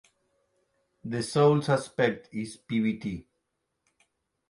The sole suspect is Pvt.